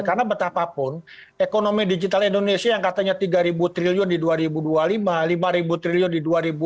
karena betapapun ekonomi digital indonesia yang katanya tiga triliun di dua ribu dua puluh lima lima triliun di dua ribu tiga puluh